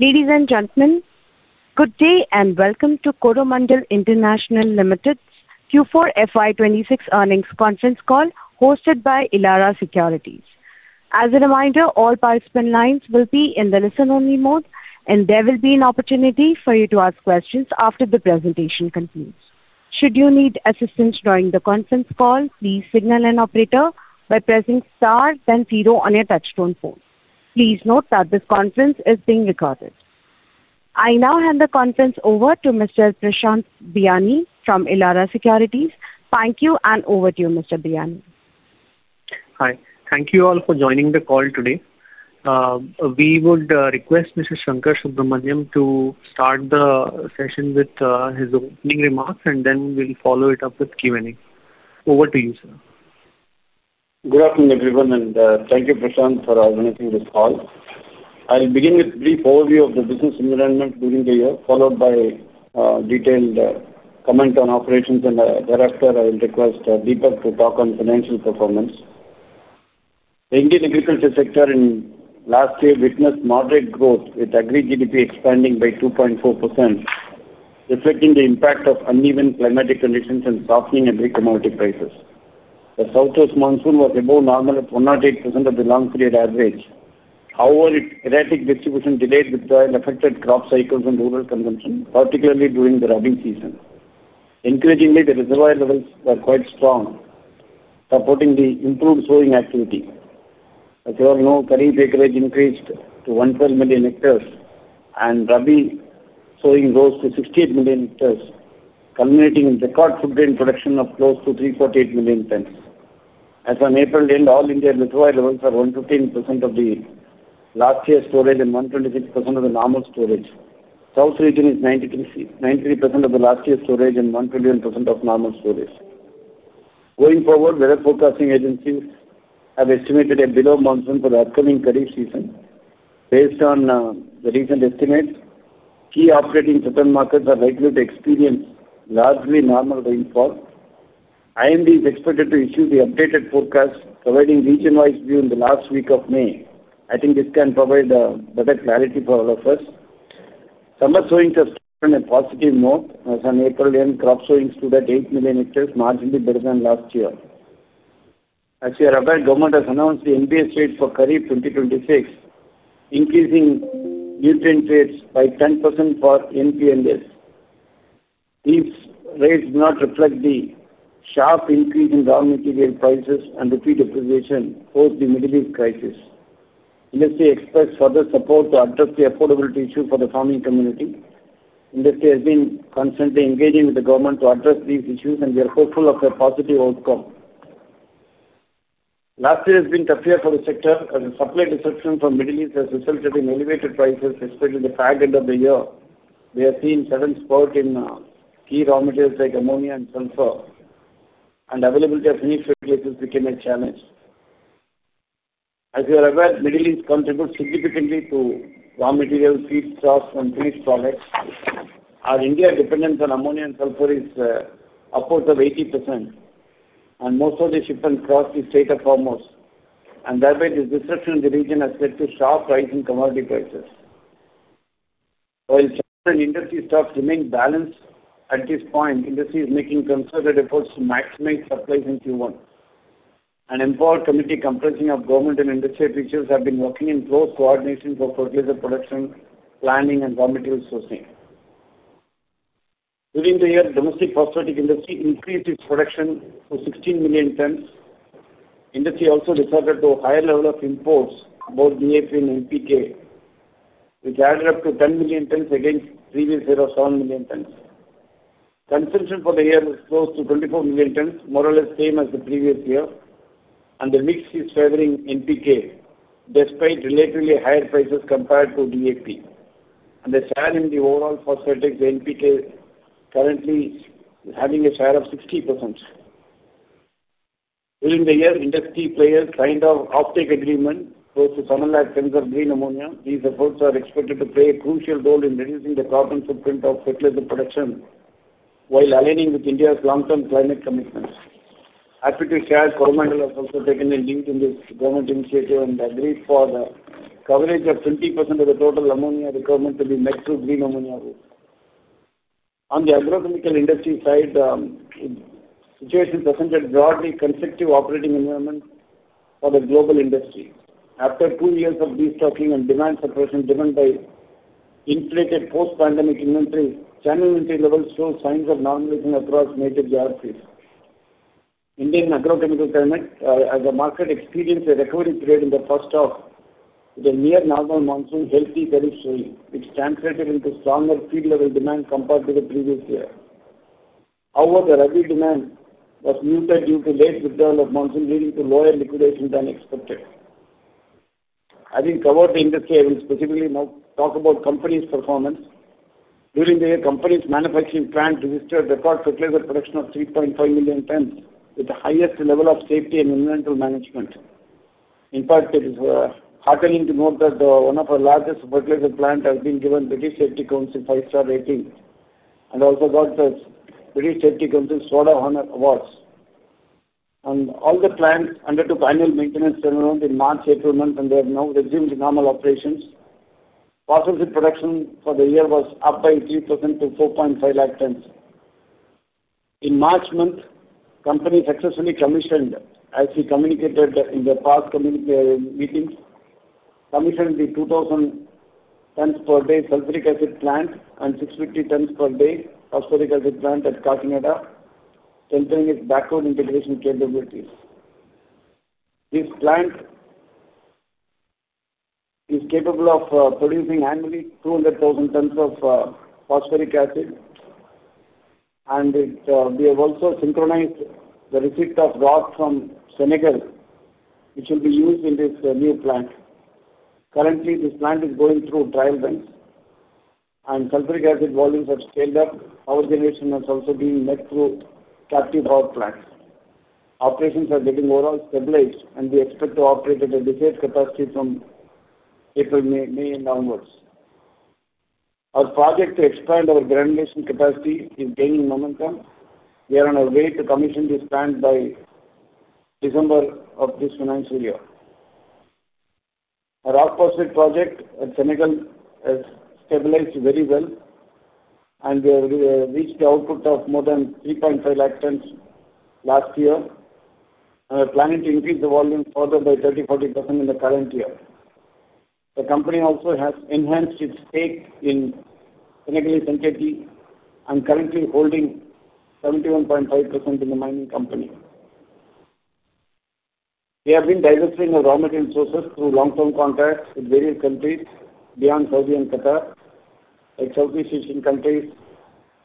Ladies and gentlemen, good day and welcome to Coromandel International Limited's Q4 FY 2026 earnings conference call hosted by Elara Securities. As a reminder, all participant lines will be in the listen-only mode, and there will be an opportunity for you to ask questions after the presentation concludes. Should you need assistance during the conference call, please signal an operator by pressing star then zero on your touchtone phone. Please note that this conference is being recorded. I now hand the conference over to Mr. Prashant Biyani from Elara Securities. Thank you. Over to you, Mr. Biyani. Hi. Thank you all for joining the call today. We would request Mr. S. Sankarasubramanian to start the session with his opening remarks. Then we'll follow it up with Q&A. Over to you, sir. Good afternoon, everyone, and thank you, Prashant, for organizing this call. I'll begin with a brief overview of the business environment during the year, followed by detailed comment on operations, and thereafter, I will request Deepak to talk on financial performance. The Indian agriculture sector in last year witnessed moderate growth, with Agri GDP expanding by 2.4%, reflecting the impact of uneven climatic conditions and softening agri commodity prices. The southwest monsoon was above normal at 108% of the long period average. However, its erratic distribution delayed with the affected crop cycles and rural consumption, particularly during the Rabi season. Increasingly, the reservoir levels were quite strong, supporting the improved sowing activity. As you all know, kharif acreage increased to 112 million hectares, and rabi sowing rose to 68 million hectares, culminating in record food grain production of close to 348 million tons. As on April end, all India reservoir levels are 115% of the last year's storage and 126% of the normal storage. South region is 93% of the last year's storage and 121% of normal storage. Going forward, weather forecasting agencies have estimated a below monsoon for the upcoming kharif season. Based on the recent estimates, key operating pattern markets are likely to experience largely normal rainfall. IMD is expected to issue the updated forecast providing region-wise view in the last week of May. I think this can provide better clarity for all of us. Summer sowings have started in a positive note. As on April end, crop sowings stood at 8 million hectares, marginally better than last year. As you are aware, government has announced the NBS rates for Kharif 2026, increasing nutrient rates by 10% for N, P, and S. These rates do not reflect the sharp increase in raw material prices and rupee depreciation post the Middle East crisis. Industry expects further support to address the affordability issue for the farming community. Industry has been constantly engaging with the government to address these issues. We are hopeful of a positive outcome. Last year has been tough year for the sector, as the supply disruption from Middle East has resulted in elevated prices, especially in the back end of the year. We have seen sudden spurt in key raw materials like ammonia and sulfur. Availability of finished fertilizers became a challenge. As you are aware, Middle East contributes significantly to raw material, feedstocks, and finished products. Our India dependence on ammonia and sulfur is upwards of 80%, and most of the shipments cross the Strait of Hormuz, and thereby this disruption in the region has led to sharp rise in commodity prices. While certain industry stocks remain balanced at this point, industry is making concerted efforts to maximize supplies in Q1. An empowered committee comprising of government and industry officials have been working in close coordination for fertilizer production, planning, and raw material sourcing. During the year, domestic phosphate industry increased its production to 16 million tons. Industry also resorted to a higher level of imports, both DAP and NPK, which added up to 10 million tons against previous year of 7 million tons. Consumption for the year was close to 24 million tons, more or less same as the previous year. The mix is favoring NPK despite relatively higher prices compared to DAP. The share in the overall phosphatics, the NPK currently is having a share of 60%. During the year, industry players signed an off-take agreement close to 7 lakh tons of green ammonia. These efforts are expected to play a crucial role in reducing the carbon footprint of fertilizer production while aligning with India's long-term climate commitments. Happy to share Coromandel has also taken a lead in this government initiative and agreed for the coverage of 20% of the total ammonia requirement to be met through green ammonia route. On the agrochemical industry side, situation presented broadly constructive operating environment for the global industry. After two years of destocking and demand suppression driven by inflated post-pandemic inventory, channel inventory levels show signs of normalization across major geographies. Indian agrochemical segment, as the market experienced a recovery trade in the first half with a near normal monsoon healthy Kharif sowing, which translated into stronger field-level demand compared to the previous year. However, the Rabi demand was muted due to late withdrawal of monsoon, leading to lower liquidation than expected. Having covered the industry, I will specifically now talk about company's performance. During the year, company's manufacturing plant registered record fertilizer production of 3.5 million tons with the highest level of safety and environmental management. In fact, it is heartening to note that one of our largest fertilizer plant has been given British Safety Council five-star rating and also got the British Safety Council Sword of Honor awards. All the plants undertook annual maintenance turnaround in March, April month, and they have now resumed normal operations. Phosphate production for the year was up by 3% to 4.5 lakh tons. In March month, company successfully commissioned, as we communicated in the past meetings, commissioned the 2,000 tons per day sulfuric acid plant and 650 tons per day phosphoric acid plant at Kakinada, strengthening its backward integration capabilities. This plant is capable of producing annually 200,000 tons of phosphoric acid, and we have also synchronized the receipt of rock from Senegal, which will be used in this new plant. Currently, this plant is going through trial runs and sulfuric acid volumes have scaled up. Power generation has also been met through captive power plants. Operations are getting overall stabilized, and we expect to operate at a desired capacity from April, May onwards. Our project to expand our granulation capacity is gaining momentum. We are on our way to commission this plant by December of this financial year. Our rock phosphate project at Senegal has stabilized very well, and we have reached the output of more than 3.5 lakh tons last year. We're planning to increase the volume further by 30%-40% in the current year. The company also has enhanced its stake in Senegalese entity and currently holding 71.5% in the mining company. We have been diversifying our raw material sources through long-term contracts with various countries beyond Saudi and Qatar, like Southeast Asian countries,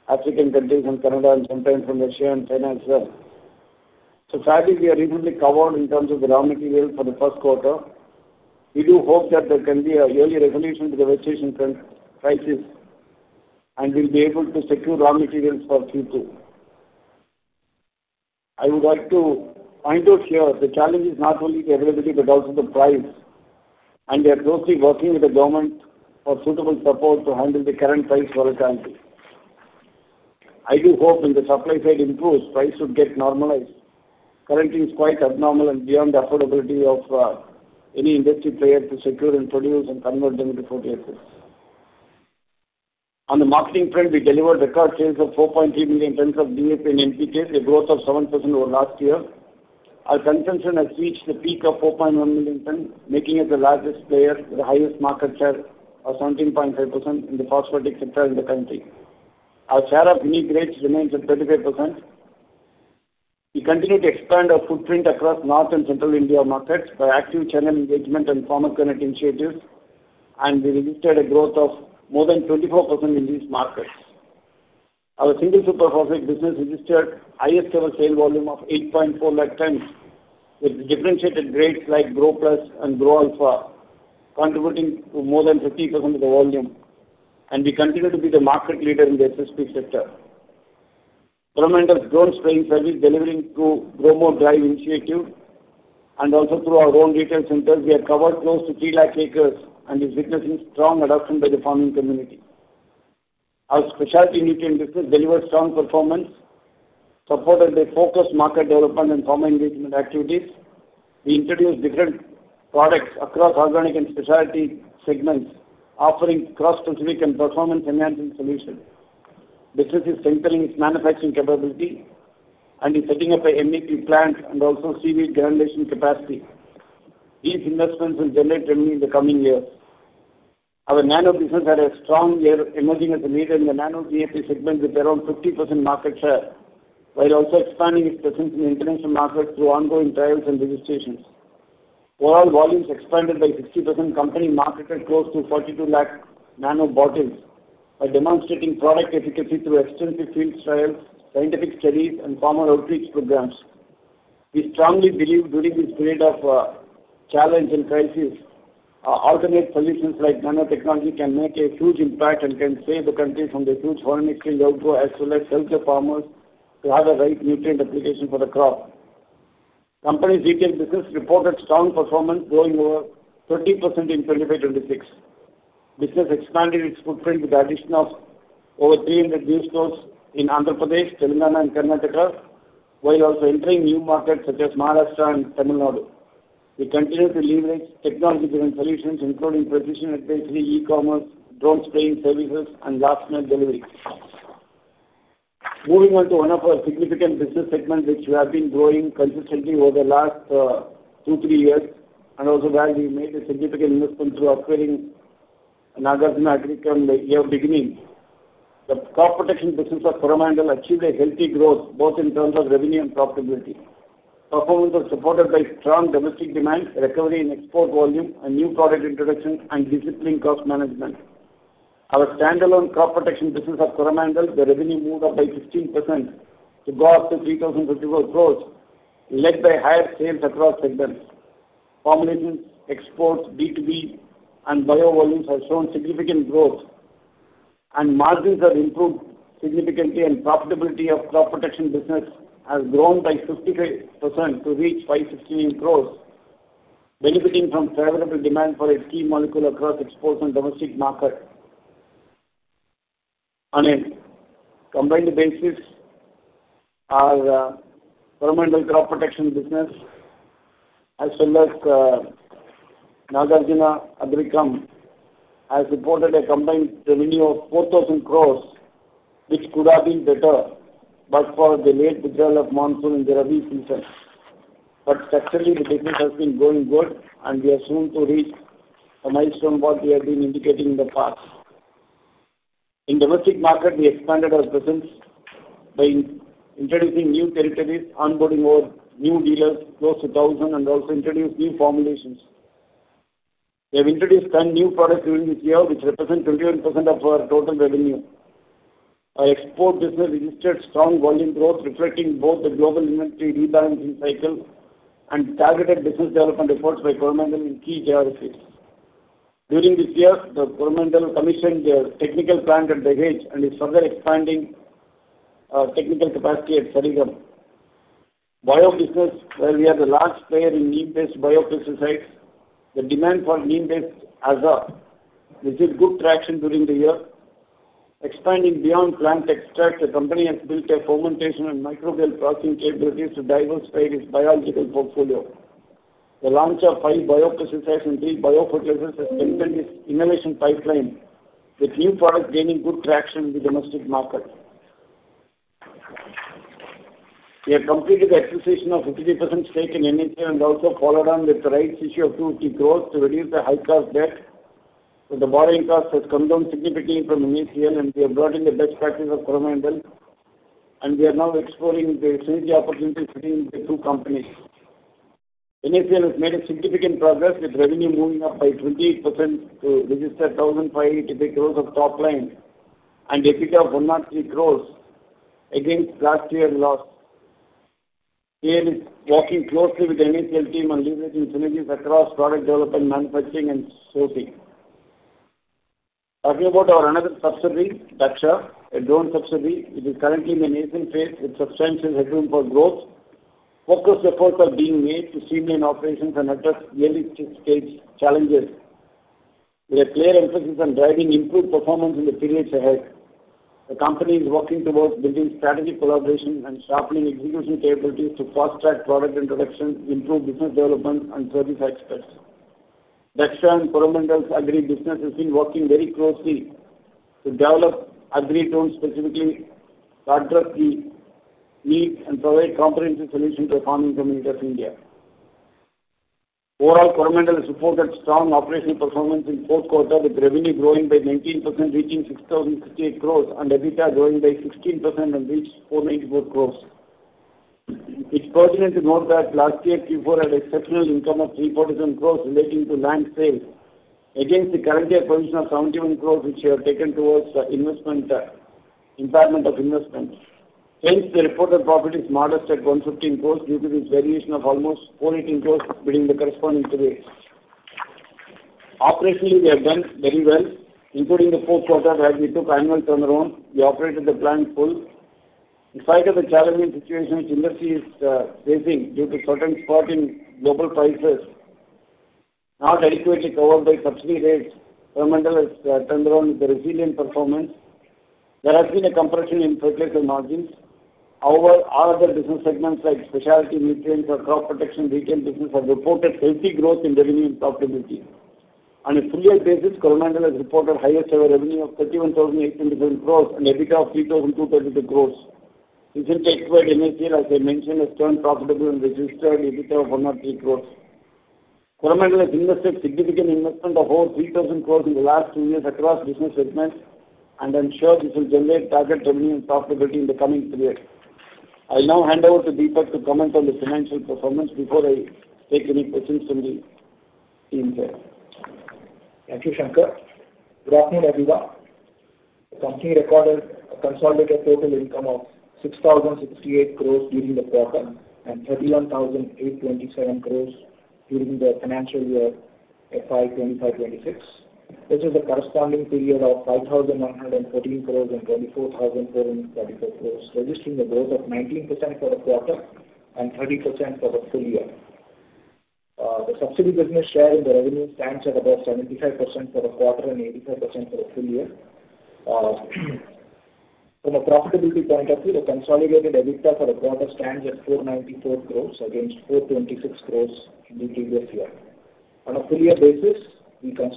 African countries, and Canada, and sometimes from Russia and China as well. Sadly, we are reasonably covered in terms of the raw material for the first quarter. We do hope that there can be a early resolution to the Russia-Ukraine crisis, and we'll be able to secure raw materials for Q2. I would like to point out here the challenge is not only the availability but also the price, and we are closely working with the government for suitable support to handle the current price volatility. I do hope when the supply side improves, price should get normalized. Currently, it's quite abnormal and beyond the affordability of any industry player to secure and produce and convert them into DAPs. On the marketing front, we delivered record sales of 4.3 million tons of DAP and NPK, a growth of 7% over last year. Our consumption has reached the peak of 4.1 million tons, making it the largest player with the highest market share of 17.5% in the phosphoric sector in the country. Our share of unique rates remains at 35%. We continue to expand our footprint across North and Central India markets by active channel engagement and farmer connect initiatives, and we registered a growth of more than 24% in these markets. Our Single Super Phosphate business registered highest ever sales volume of 8.4 lakh tons, with differentiated grades like Groplus and GroAlpha contributing to more than 50% of the volume, and we continue to be the market leader in the SSP sector. Coromandel drone spraying service delivering through Gromor Drive initiative and also through our own retail centers, we have covered close to I3 lakh acres and is witnessing strong adoption by the farming community. Our specialty nutrient business delivered strong performance, supported by focused market development and farmer engagement activities. We introduced different products across organic and specialty segments, offering crop specific and performance-enhancing solutions. Business is strengthening its manufacturing capability and is setting up a MPP plant and also seaweed granulation capacity. These investments will generate revenue in the coming years. Our Nano business had a strong year emerging as a leader in the Nano DAP segment with around 50% market share, while also expanding its presence in international markets through ongoing trials and registrations. Overall volumes expanded by 60%. Company marketed close to 42 lakh Nano bottles by demonstrating product efficacy through extensive field trials, scientific studies, and farmer outreach programs. We strongly believe during this period of challenge and crisis, alternate solutions like nanotechnology can make a huge impact and can save the country from the huge foreign exchange outflow as well as help the farmers to have the right nutrient application for the crop. Company's retail business reported strong performance, growing over 20% in 2025-2026. Business expanded its footprint with the addition of over 300 new stores in Andhra Pradesh, Telangana, and Karnataka, while also entering new markets such as Maharashtra and Tamil Nadu. We continue to leverage technology-driven solutions including precision advisory, e-commerce, drone spraying services, and last mile delivery. Moving on to one of our significant business segments which we have been growing consistently over the last two, three years and also where we made a significant investment through acquiring Nagarjuna Agrichem from the year beginning. The crop protection business of Coromandel achieved a healthy growth, both in terms of revenue and profitability. Performance was supported by strong domestic demand, recovery in export volume and new product introduction and disciplined cost management. Our standalone crop protection business of Coromandel, the revenue moved up by 16% to go up to 3,054 crores, led by higher sales across segments. Formulations, exports, B2B and bio volumes have shown significant growth and margins have improved significantly and profitability of crop protection business has grown by 53% to reach 516 crores, benefiting from favorable demand for its key molecule across exports and domestic market. On a combined basis, our governmental crop protection business as well as Nagarjuna Agrichem has reported a combined revenue of 4,000 crores, which could have been better but for the late development monsoon in the Rabi season. Structurally, the business has been growing good, and we are soon to reach a milestone what we have been indicating in the past. In domestic market, we expanded our presence by introducing new territories, onboarding more new dealers, close to 1,000, and also introduced new formulations. We have introduced 10 new products during this year, which represent 21% of our total revenue. Our export business registered strong volume growth, reflecting both the global inventory rebalancing cycle and targeted business development efforts by Coromandel in key geographies. During this year, the Coromandel commissioned a technical plant at Dahej and is further expanding our technical capacity at Sarigam. Bio business, where we are the largest player in neem-based biopesticides. The demand for neem-based Azadirachtin received good traction during the year. Expanding beyond plant extracts, the company has built a fermentation and microbial processing capabilities to diversify its biological portfolio. The launch of five biopesticides and three biofortifications has strengthened its innovation pipeline, with new products gaining good traction in the domestic market. We have completed the acquisition of 53% stake in NACL and also followed on with the rights issue of 250 crores to reduce the high cost debt. The borrowing cost has come down significantly from NACL, and we are bringing the best practice of Coromandel, and we are now exploring the synergy opportunities between the two companies. NACL has made a significant progress, with revenue moving up by 28% to register 1,583 crores of top line and EBITDA of 103 crores against last year's loss. CA is working closely with the NACL team on leveraging synergies across product development, manufacturing and sourcing. Talking about our another subsidiary, Dhaksha, a drone subsidiary, it is currently in the nascent phase with substantial headroom for growth. Focused efforts are being made to streamline operations and address early stage challenges. With a clear emphasis on driving improved performance in the periods ahead, the company is working towards building strategic collaborations and sharpening execution capabilities to fast-track product introduction, improve business development and service aspects. Dhaksha and Coromandel's agri business has been working very closely to develop agri drones specifically to address the need and provide comprehensive solution to the farming community of India. Overall, Coromandel supported strong operational performance in fourth quarter, with revenue growing by 19%, reaching 6,058 crores and EBITDA growing by 16% and reached 494 crores. It's pertinent to note that last year, Q4 had exceptional income of 347 crores relating to land sale against the current year provision of 71 crores, which we have taken towards investment impairment of investment. Hence, the reported profit is modest at 115 crores due to this variation of almost 418 crores during the corresponding period. Operationally, we have done very well, including the fourth quarter where we took annual turnaround. We operated the plant full. In spite of the challenging situation which industry is facing due to certain spot in global prices not adequately covered by subsidy rates, Coromandel has turned around with a resilient performance. There has been a compression in fertilizer margins. All other business segments like Specialty Nutrients or Crop Protection Retail business have reported healthy growth in revenue and profitability. On a full year basis, Coromandel has reported highest ever revenue of 31,827 crores and EBITDA of 3,232 crores. Recently acquired NACL, as I mentioned, has turned profitable and registered EBITDA of 103 crores. Coromandel has invested significant investment of over 3,000 crores in the last two years across business segments, and I'm sure this will generate targeted revenue and profitability in the coming period. I'll now hand over to Deepak to comment on the financial performance before I take any questions from the team here. Thank you, Shankar. Good afternoon, everyone. The company recorded a consolidated total income of 6,068 crores during the quarter and 31,827 crores during the financial year FY 2025, 2026. This is a corresponding period of 5,113 crores and 24,434 crores, registering a growth of 19% for the quarter and 30% for the full year. The subsidy business share in the revenue stands at about 75% for the quarter and 85% for the full year. From a profitability point of view, the consolidated EBITDA for the quarter stands at 494 crores against 426 crores in the previous year. On a full year basis, the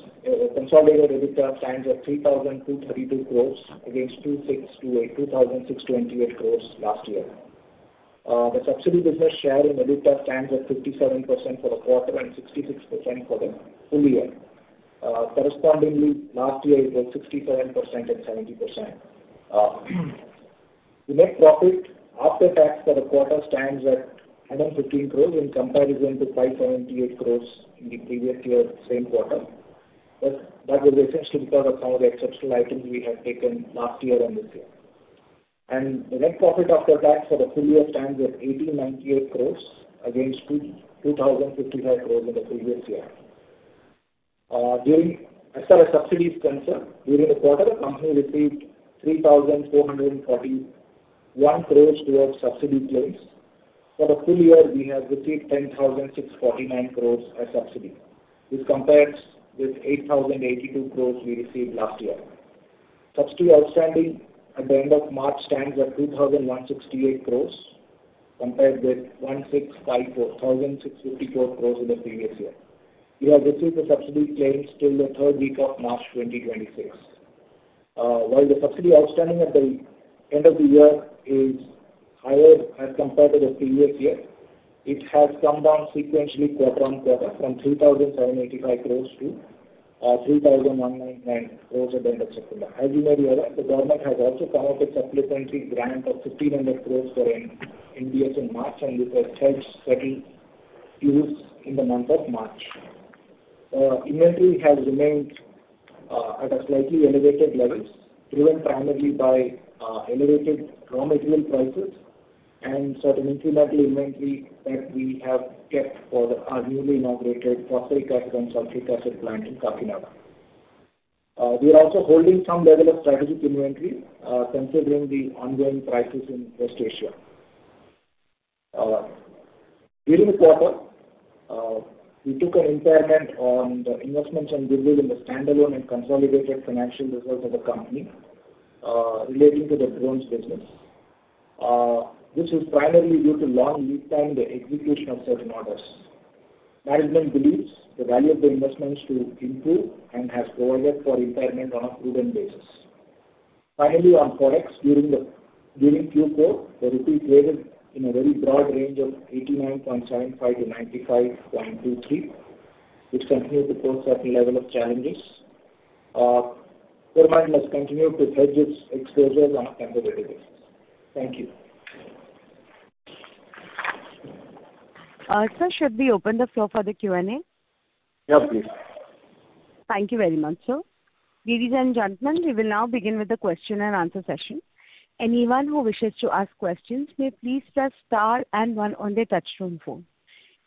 consolidated EBITDA stands at 3,232 crores against 2,628 crores last year. The subsidy business share in EBITDA stands at 57% for the quarter and 66% for the full year. Correspondingly, last year it was 67% and 70%. The net profit after tax for the quarter stands at 115 crores in comparison to 578 crores in the previous year same quarter. That was essentially because of some of the exceptional items we have taken last year and this year. The net profit after tax for the full year stands at 1,898 crores against 2,055 crores in the previous year. As far as subsidy is concerned, during the quarter, the company received 3,441 crores towards subsidy claims. For the full year, we have received 10,649 crores as subsidy. This compares with 8,082 crores we received last year. Subsidy outstanding at the end of March stands at 2,168 crores compared with 1,654 crores in the previous year. We have received the subsidy claims till the third week of March 2026. While the subsidy outstanding at the end of the year is higher as compared to the previous year, it has come down sequentially quarter-on-quarter from 3,785 crores to 3,199 crores at the end of September. As you may be aware, the government has also come up with supplementary grant of 1,500 crores for NBS in March, and we have hedged certain use in the month of March. Inventory has remained at a slightly elevated levels, driven primarily by elevated raw material prices and certain incremental inventory that we have kept for our newly inaugurated phosphoric acid and sulfuric acid plant in Kakinada. We are also holding some level of strategic inventory, considering the ongoing crisis in West Asia. During the quarter, we took an impairment on the investments and goodwill in the standalone and consolidated financial results of the company, relating to the drones business, which is primarily due to long lead time, the execution of certain orders. Management believes the value of the investment is to improve and has provided for impairment on a prudent basis. Finally, on Forex, during Q4, the rupee traded in a very broad range of 89.75-95.23, which continued to pose certain level of challenges. Coromandel has continued to hedge its exposure on a competitive basis. Thank you. Sir, should we open the floor for the Q&A? Yeah, please. Thank you very much, sir. Ladies and gentlemen, we will now begin with the question and answer session. Anyone who wishes to ask questions may please press star and one on their touch tone phone.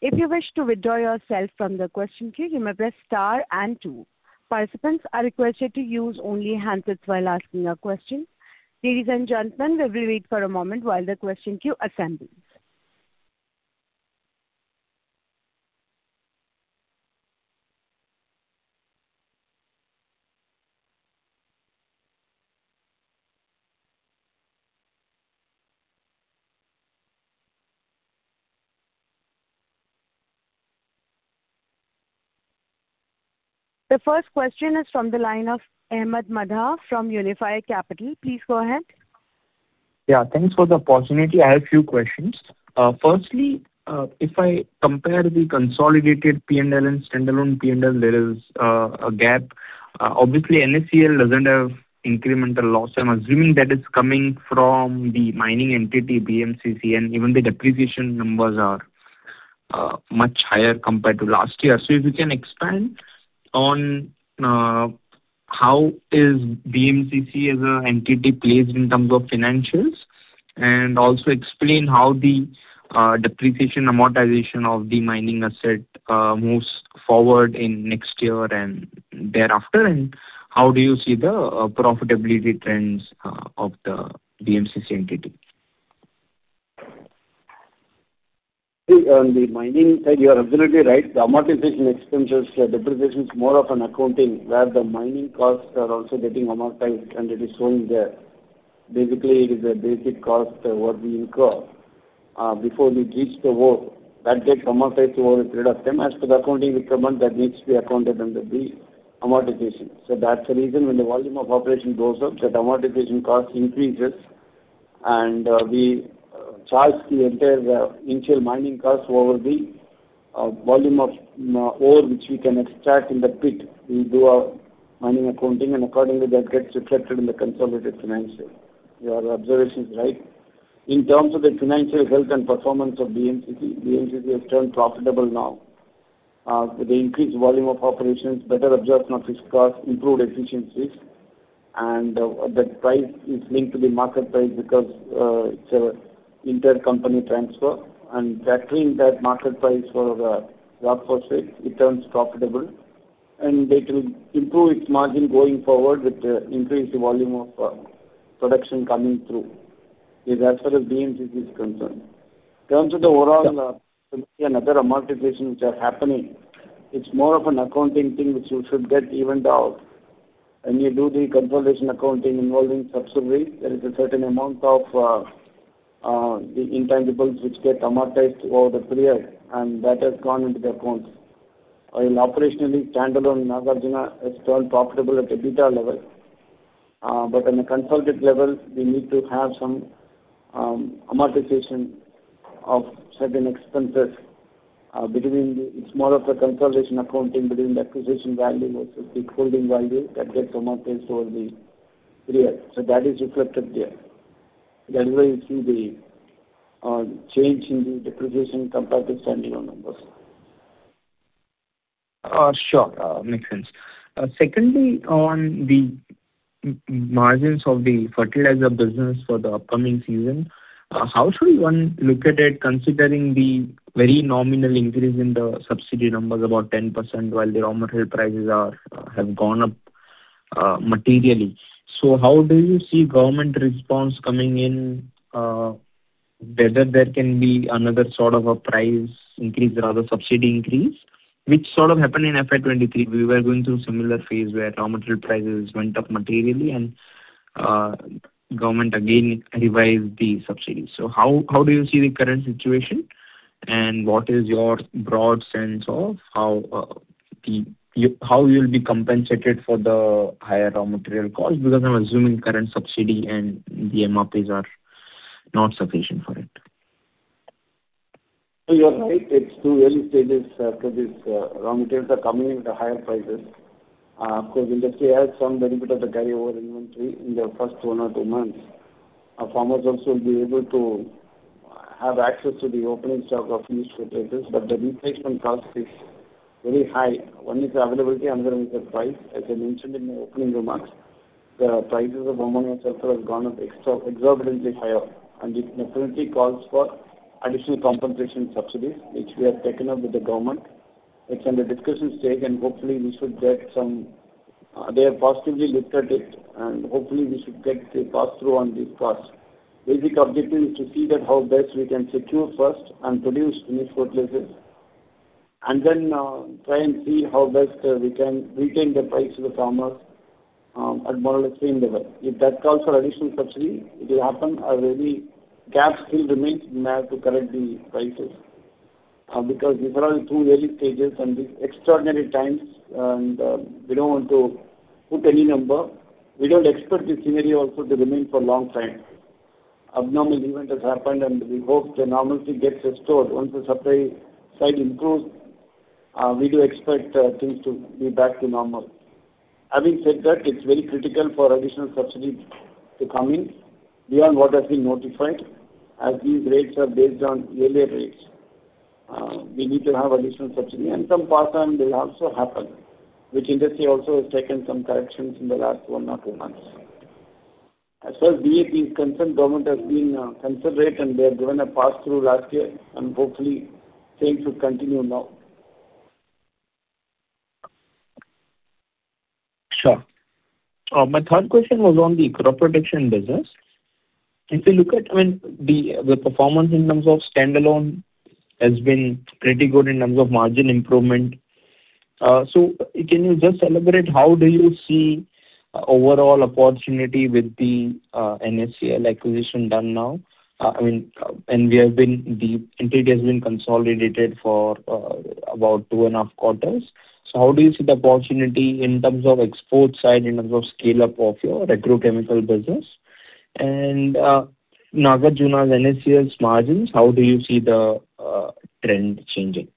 If you wish to withdraw yourself from the question queue, you may press star and two. Participants are requested to use only hands-free while asking a question. Ladies and gentlemen, we wait for a moment while the question queue assembles. The first question is from the line of Ahmed Madha from Unifi Capital. Please go ahead. Thanks for the opportunity. I have few questions. Firstly, if I compare the consolidated P&L and standalone P&L, there is a gap. Obviously NACL doesn't have incremental loss. I'm assuming that is coming from the mining entity, BMCC, and even the depreciation numbers are much higher compared to last year. If you can expand on how is BMCC as an entity placed in terms of financials, and also explain how the depreciation amortization of the mining asset moves forward in next year and thereafter, and how do you see the profitability trends of the BMCC entity? On the mining side, you are absolutely right. The amortization expenses, depreciation is more of an accounting where the mining costs are also getting amortized, and it is shown there. Basically, it is a basic cost what we incur before we reach the ore. That gets amortized over a period of time. As to the accounting requirement, that needs to be accounted under the amortization. That's the reason when the volume of operation goes up, the amortization cost increases, we charge the entire initial mining cost over the volume of ore which we can extract in the pit. We do our mining accounting, and accordingly that gets reflected in the consolidated financial. Your observation is right. In terms of the financial health and performance of BMCC has turned profitable now. The increased volume of operations, better absorption of fixed costs, improved efficiencies, and the price is linked to the market price because it's an intercompany transfer. Factoring that market price for the rock phosphate, it turns profitable, and it will improve its margin going forward with the increased volume of production coming through. This as far as BMCC is concerned. In terms of the overall subsidy and other amortizations which are happening, it's more of an accounting thing which you should get evened out. When you do the consolidation accounting involving subsidiaries, there is a certain amount of the intangibles which get amortized over the period, and that has gone into the accounts. In operationally standalone, Nagarjuna has turned profitable at the EBITDA level. On a consolidated level, we need to have some amortization of certain expenses. It's more of a consolidation accounting between the acquisition value versus the holding value that gets amortized over the period. That is reflected there. That is why you see the change in the depreciation compared to standalone numbers. Sure. Makes sense. Secondly, on the margins of the fertilizer business for the upcoming season, how should one look at it considering the very nominal increase in the subsidy numbers, about 10%, while the raw material prices are, have gone up materially. How do you see government response coming in, whether there can be another sort of a price increase rather subsidy increase, which sort of happened in FY 2023. We were going through similar phase where raw material prices went up materially, and government again revised the subsidies. How do you see the current situation, and what is your broad sense of how you'll be compensated for the higher raw material costs? Because I'm assuming current subsidy and the MRPs are not sufficient for it. You are right. It's too early stages to this. Raw materials are coming in with higher prices. Of course, industry has some benefit of the carryover inventory in the first one or two months. Our farmers also will be able to have access to the opening stock of niche fertilizers. The replacement cost is very high. One is availability, another one is the price. As I mentioned in my opening remarks, the prices of ammonia sulfate have gone up extra-exorbitantly higher, and this naturally calls for additional compensation subsidies, which we have taken up with the government. It's under discussion stage, and hopefully we should get some. They have positively looked at it, and hopefully we should get a pass-through on this cost. Basic objective is to see that how best we can secure first and produce niche fertilizers, then try and see how best we can retain the price to the farmers at more or less same level. If that calls for additional subsidy, it will happen. A very gap still remains. We may have to correct the prices because these are all too early stages and these extraordinary times, we don't want to put any number. We don't expect this scenario also to remain for long time. Abnormal event has happened, we hope the normalcy gets restored. Once the supply side improves, we do expect things to be back to normal. Having said that, it's very critical for additional subsidies to come in beyond what has been notified, as these rates are based on earlier rates. We need to have additional subsidy and some pass-on will also happen, which industry also has taken some corrections in the last one or two months. As far as DAP is concerned, government has been considerate, and they have given a pass-through last year, and hopefully same should continue now. Sure. My third question was on the crop protection business. If you look at, I mean, the performance in terms of standalone has been pretty good in terms of margin improvement. Can you just elaborate how do you see overall opportunity with the NACL acquisition done now? The entity has been consolidated for about two and a half quarters. How do you see the opportunity in terms of export side, in terms of scale-up of your agrochemical business? Nagarjuna's NACL's margins, how do you see the trend changing?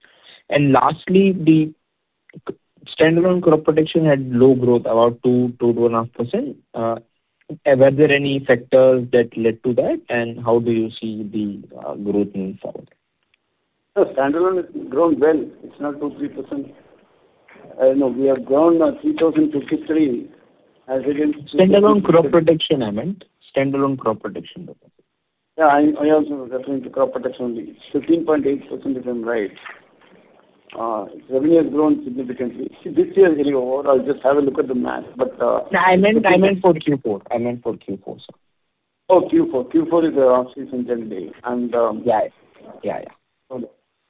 Lastly, the standalone crop protection had low growth, about 2%-2.5%. Were there any factors that led to that, how do you see the growth moving forward? No, standalone has grown well. It's not 2%, 3%. No, we have grown 3,053. Standalone crop protection, I meant. Standalone crop protection. Yeah, I also was referring to crop protection only. 15.8% if I'm right. Revenue has grown significantly. This year is very overall. Just have a look at the math. No, I meant for Q4, sir. Oh, Q4. Q4 is a off-season generally. Yeah. Yeah, yeah.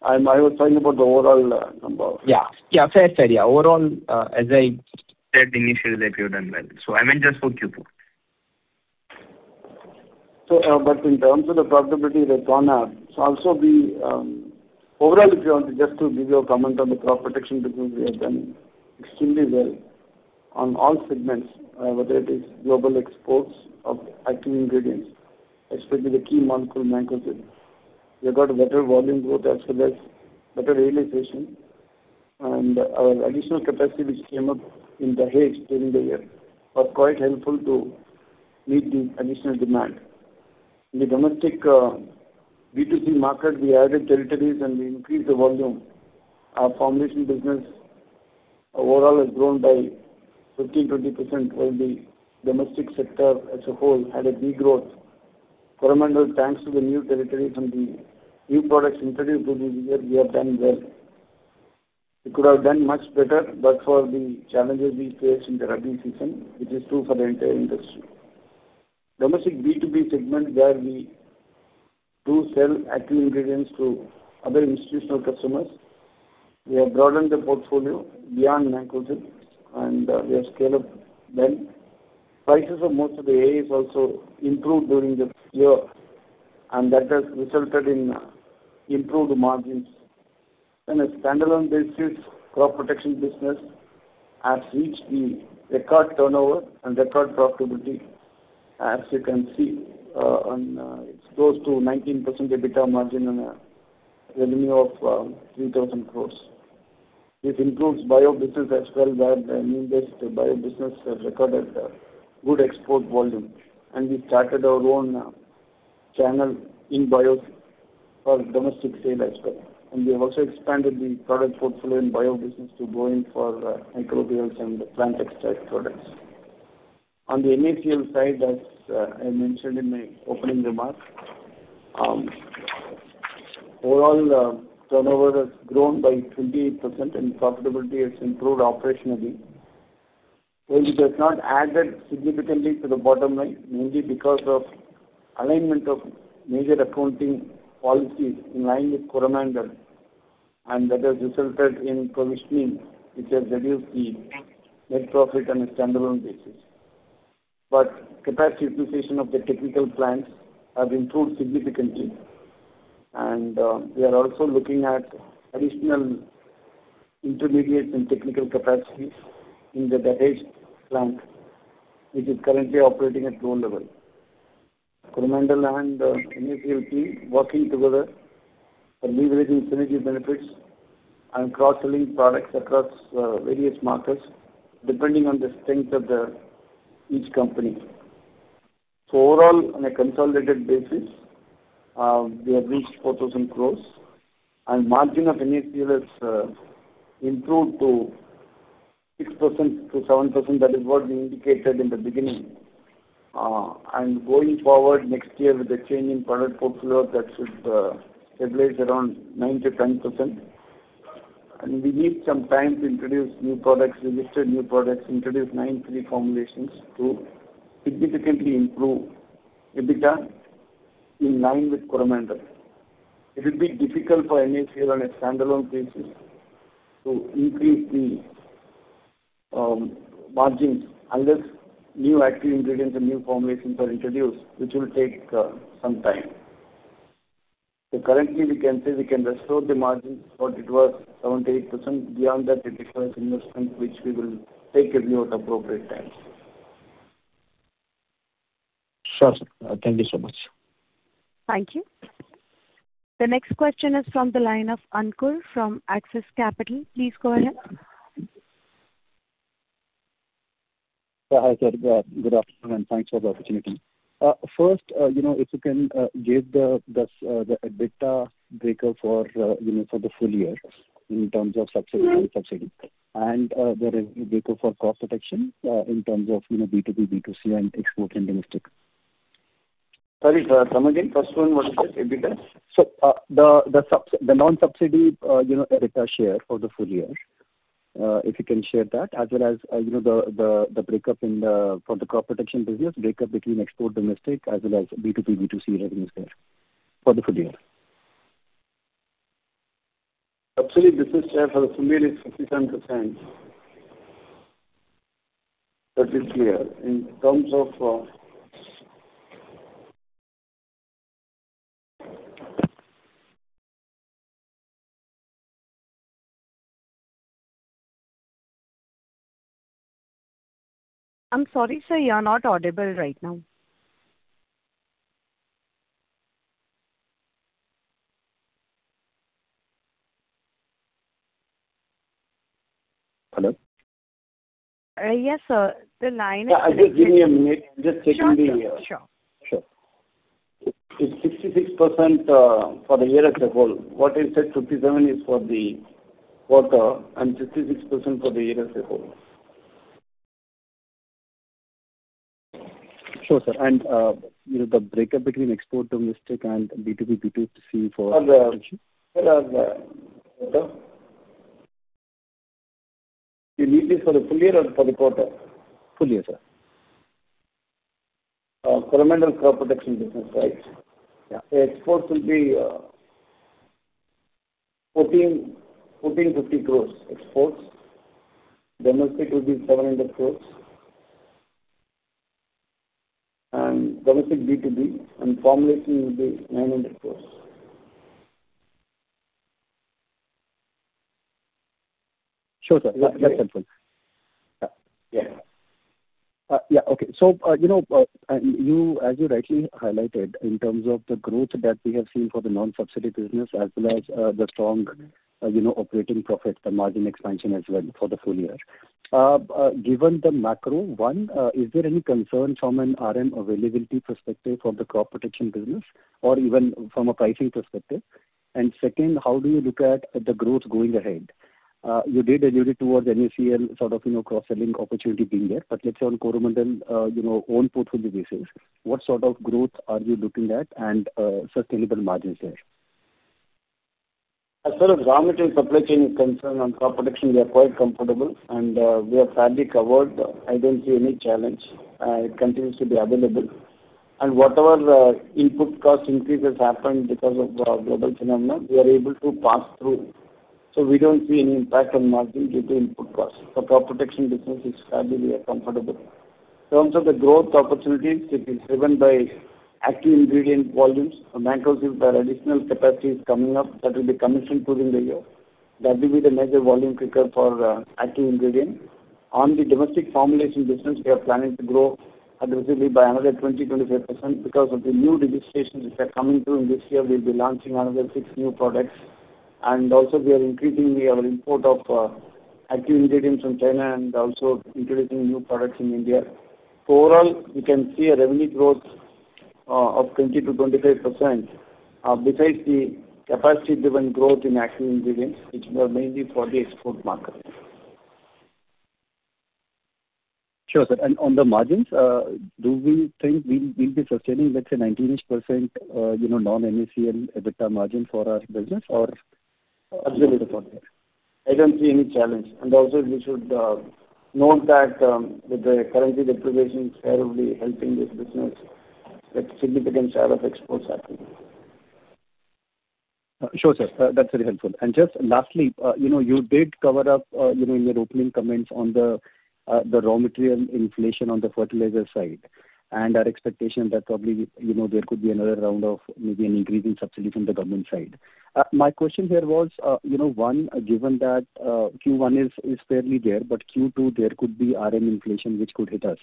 Okay. I was talking about the overall number. Yeah. Yeah, fair. Yeah, overall, as I said initially, that you've done well. I meant just for Q4. But in terms of the profitability they've gone up. Also we, overall if you want me just to give you a comment on the crop protection business, we have done extremely well on all segments. Whether it is global exports of active ingredients, especially the key molecule Mancozeb. We have got better volume growth as well as better realization. Our additional capacity which came up in Dahej during the year was quite helpful to meet the additional demand. In the domestic B2C market, we added territories and we increased the volume. Our formulation business overall has grown by 15%-20% while the domestic sector as a whole had a degrowth. Coromandel, thanks to the new territory from the new products introduced through this year, we have done well. We could have done much better but for the challenges we faced in the rainy season, which is true for the entire industry. Domestic B2B segment, where we do sell active ingredients to other institutional customers, we have broadened the portfolio beyond Mancozeb and we have scaled up well. Prices of most of the AAs also improved during this year, and that has resulted in improved margins. On a standalone basis, crop protection business has reached the record turnover and record profitability. As you can see, it's close to 19% EBITDA margin on a revenue of 3,000 crores. This includes bio business as well, where the neem-based bio business has recorded good export volume. We started our own channel in bio for domestic sale as well. We have also expanded the product portfolio in bio business to go in for microbials and plant extract products. On the NACL side, as I mentioned in my opening remarks, overall turnover has grown by 28% and profitability has improved operationally. Well, it has not added significantly to the bottom line, mainly because of alignment of major accounting policies in line with Coromandel, and that has resulted in provisioning which has reduced the net profit on a standalone basis. Capacity utilization of the technical plants have improved significantly. We are also looking at additional intermediate and technical capacities in the Sure, sir. Thank you so much. Thank you. The next question is from the line of Ankur from Axis Capital. Please go ahead. Hi, sir. Good afternoon, and thanks for the opportunity. First, you know, if you can give the EBITDA breakup for, you know, for the full year in terms of subsidy, non-subsidy. The revenue breakup for Crop Protection, in terms of, you know, B2B, B2C, and export and domestic. Sorry, sir. Come again. First one, what is it? EBITDA? The non-subsidy, you know, EBITDA share for the full year, if you can share that, as well as you know, the breakup in the crop protection business, breakup between export domestic, as well as B2B, B2C revenue share for the full year. Subsidy business share for the full year is 57%. That is clear. I'm sorry, sir. You're not audible right now. Hello? Yes, sir. The line is- If you give me a minute, just check in the. Sure. Sure. Sure. It's 66% for the year as a whole. What I said, 57, is for the quarter, and 66% for the year as a whole. Sure, sir. You know, the breakup between export domestic and B2B, B2C. You need this for the full year or for the quarter? Full year, sir. Coromandel Crop Protection business, right? Yeah. The exports will be 1,450 crores exports. Domestic will be 700 crores. Domestic B2B and formulation will be 900 crores. Sure, sir. That's helpful. Yeah. Yeah. Okay. You know, and as you rightly highlighted in terms of the growth that we have seen for the non-subsidy business as well as the strong, you know, operating profit and margin expansion as well for the full year. Given the macro, one, is there any concern from an RM availability perspective for the crop protection business or even from a pricing perspective? Second, how do you look at the growth going ahead? You did allude towards NACL sort of, you know, cross-selling opportunity being there. Let's say on Coromandel, you know, own portfolio basis, what sort of growth are you looking at and sustainable margins there? As far as raw material supply chain is concerned on Crop Protection, we are quite comfortable and we are fairly covered. I don't see any challenge. It continues to be available. Whatever input cost increases happened because of global phenomena, we are able to pass through. We don't see any impact on margin due to input costs. The Crop Protection business is fairly, we are comfortable. In terms of the growth opportunities, it is driven by active ingredient volumes. For Mancozeb, our additional capacity is coming up. That will be commissioned during the year. That will be the major volume kicker for active ingredient. On the domestic formulation business, we are planning to grow aggressively by another 20-25% because of the new registrations which are coming through in this year. We'll be launching another six new products. Also we are increasing our import of active ingredients from China and also introducing new products in India. Overall, we can see a revenue growth of 20%-25% besides the capacity-driven growth in active ingredients, which were mainly for the export market. Sure, sir. On the margins, do we think we'll be sustaining, let's say, 19-ish%, you know, non-NACL EBITDA margin for our business? Absolutely for that. I don't see any challenge. Also we should note that the currency depreciation is heavily helping this business, with significant share of exports happening. Sure, sir. That's very helpful. Just lastly, you know, you did cover up, you know, in your opening comments on the raw material inflation on the fertilizer side, and our expectation that probably, you know, there could be another round of maybe an increase in subsidy from the government side. My question here was, you know, one, given that Q1 is fairly there, but Q2 there could be RM inflation which could hit us.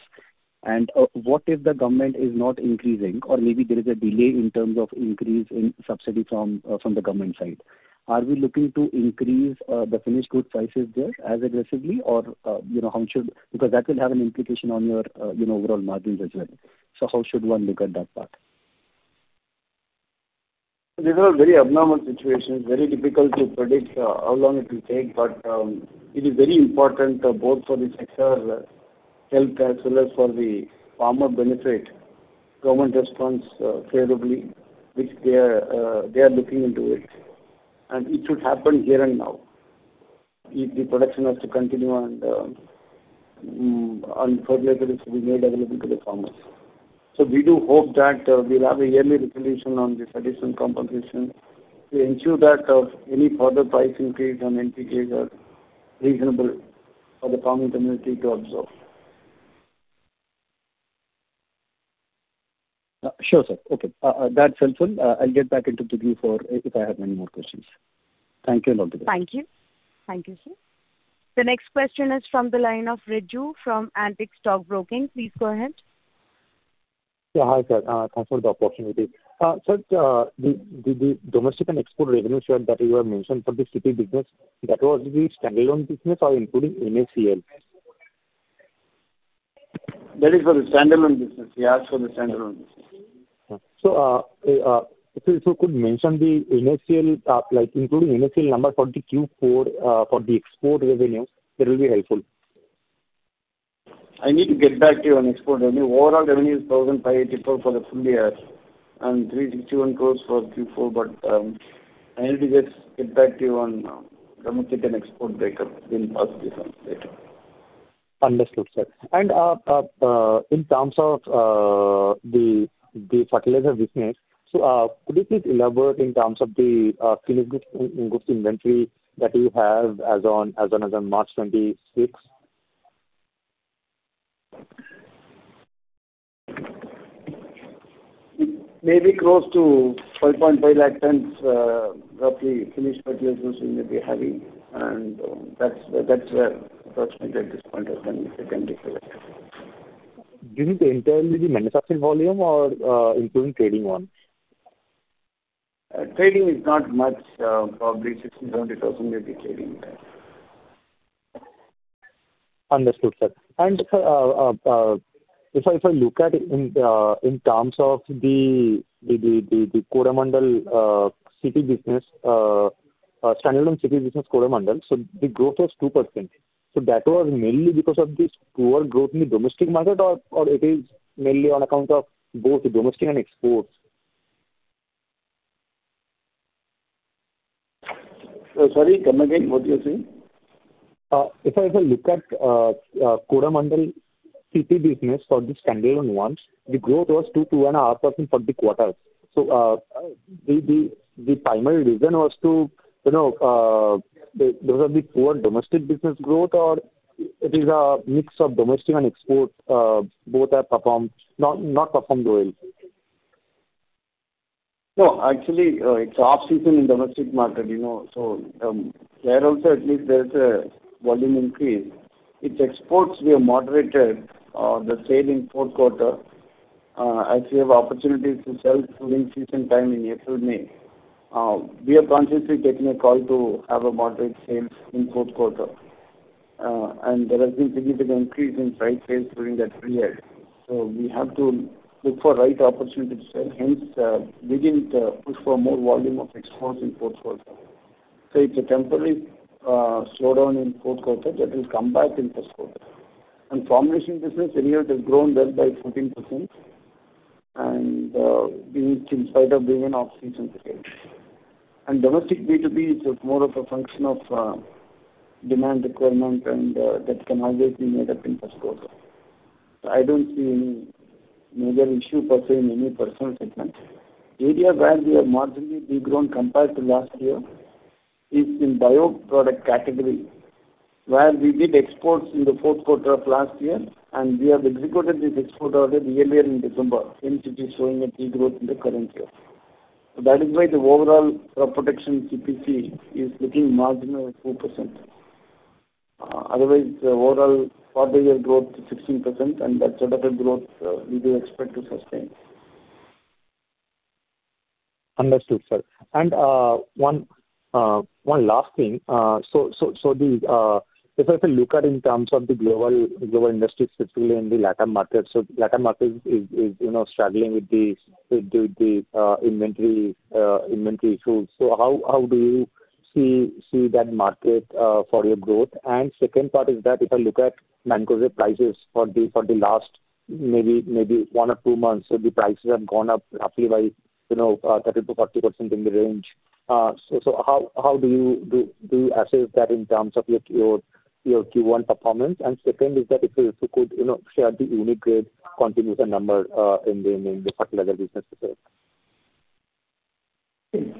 What if the government is not increasing, or maybe there is a delay in terms of increase in subsidy from the government side? Are we looking to increase the finished goods prices there as aggressively? You know, how much should Because that will have an implication on your, you know, overall margins as well. How should one look at that part? These are very abnormal situations, very difficult to predict, how long it will take, but it is very important both for the sector health as well as for the farmer benefit. Government responds favorably, which they are, they are looking into it, and it should happen here and now. If the production has to continue and fertilizer is to be made available to the farmers. We do hope that we'll have a yearly resolution on this additional compensation to ensure that any further price increase on NPKs are reasonable for the farming community to absorb. Sure, sir. Okay. That's helpful. I'll get back into the queue for if I have any more questions. Thank you and all the best. Thank you. Thank you, sir. The next question is from the line of Riju from Antique Stock Broking. Please go ahead. Yeah, hi, sir. Thanks for the opportunity. Sir, the domestic and export revenue share that you have mentioned for the CPC business, that was the standalone business or including NACL? That is for the standalone business. Yeah, it's for the standalone business. If you could mention the NACL, like including NACL number for the Q4, for the export revenue, that will be helpful. I need to get back to you on export revenue. Overall revenue is 1,584 crores for the full year and 361 crores for Q4. I need to just get back to you on domestic and export breakup in past few months later. Understood, sir. In terms of the fertilizer business, could you please elaborate in terms of the finished goods inventory that you have as on March 26? It may be close to 12.5 lakh tons, roughly finished fertilizers we may be having, and, that's where approximate at this point of time it can be collected. Do you think entirely the manufacturing volume or, including trading one? Trading is not much, probably 16,000-70,000 may be trading. Understood, sir. If I look at in terms of the Coromandel CPC business, standalone CPC business Coromandel, the growth was 2%. That was mainly because of this poor growth in the domestic market or it is mainly on account of both domestic and exports? Sorry. Come again. What you're saying? If I look at Coromandel CPC business for the standalone ones, the growth was 2.5% for the quarter. The primary reason was, you know, because of the poor domestic business growth or it is a mix of domestic and export, both have not performed well? No, actually, it's off-season in domestic market, you know, so there also at least there is a volume increase. It's exports we have moderated the sale in fourth quarter, as we have opportunities to sell during season time in April, May. We have consciously taken a call to have a moderate sales in fourth quarter. There has been significant increase in site sales during that period. We have to look for right opportunity to sell, hence, we didn't push for more volume of exports in fourth quarter. It's a temporary slowdown in fourth quarter that will come back in first quarter. Formulation business anyhow they've grown well by 14% and in spite of being in off-season sales. Domestic B2B is more of a function of demand requirement and that can always be made up in first quarter. I don't see any major issue per se in any personal segment. Area where we have marginally de-grown compared to last year is in bioproduct category, where we did exports in the fourth quarter of last year, and we have executed this export orders earlier in December, hence it is showing a de-growth in the current year. That is why the overall Crop Protection CPC is looking marginal at 2%. Otherwise, overall, fourth year growth 16% and that sort of a growth, we do expect to sustain. Understood, sir. One last thing. If I look at in terms of the global industry, specifically in the Latin market, Latin market is, you know, struggling with the inventory issues. How do you see that market for your growth? Second part is that if I look at manganese prices for the last maybe one or two months, the prices have gone up roughly by, you know, 30%-40% in the range. How do you assess that in terms of your Q1 performance? Second is that if you could, you know, share the unique grade continuation number in the fertilizer business as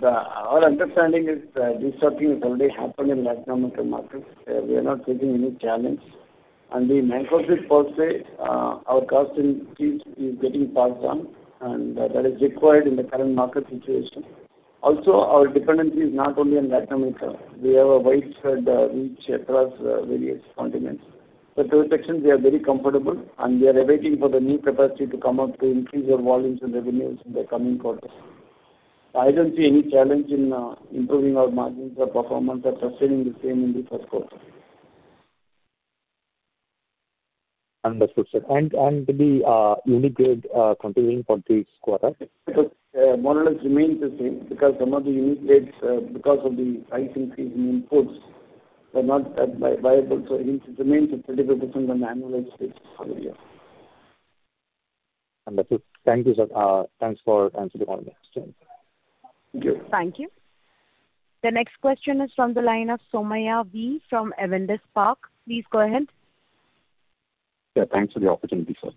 well. Our understanding is, this sorting has already happened in Latin America markets. We are not facing any challenge. The manganese per se, our cost increase is getting passed on, and that is required in the current market situation. Our dependency is not only on Latin America. We have a widespread reach across various continents. Those sections we are very comfortable, and we are awaiting for the new capacity to come out to increase our volumes and revenues in the coming quarters. I don't see any challenge in improving our margins or performance or sustaining the same in the first quarter. Understood, sir. The unit grade continuing for this quarter? Model has remained the same because some of the unique grades, because of the price increase in inputs were not viable. It remains a little bit different than the annual rates for this year. Understood. Thank you, sir. Thanks for answering all the questions. Thank you. Thank you. The next question is from the line of Somaiya V. from Avendus Spark. Please go ahead. Yeah, thanks for the opportunity, sir.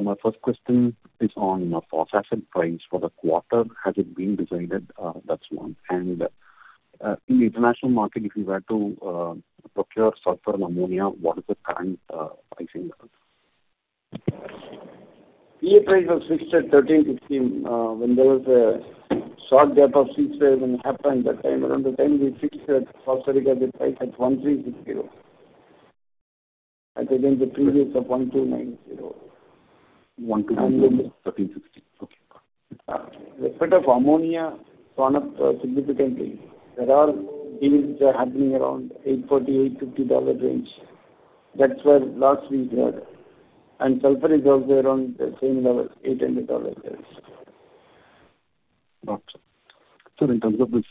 My first question is on the phosphate price for the quarter. Has it been decided? That's one. In the international market, if you were to procure sulfur and ammonia, what is the current pricing level? Yeah, price was fixed at INR 1,316. When there was a short gap of six days when it happened that time. Around the time we fixed that phosphoric acid price at 1,360. Against the previous of 1,290. 1,290. And- 1,360. Okay. Respect of ammonia gone up significantly. There are deals that are happening around $840, $850 dollar range. That's where last we heard. Sulfur is also around the same level, $800 dollar range. Got you. In terms of this,